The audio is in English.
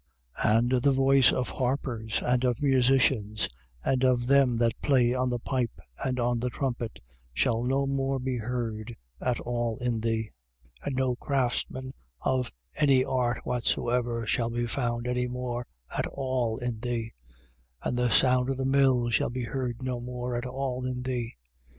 18:22. And the voice of harpers and of musicians and of them that play on the pipe and on the trumpet shall no more be heard at all in thee: and no craftsman of any art whatsoever shall be found any more at all in thee: and the sound of the mill shall be heard no more at all in thee: 18:23.